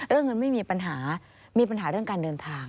เรื่องเงินไม่มีปัญหามีปัญหาเรื่องการเดินทาง